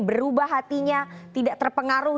berubah hatinya tidak terpengaruh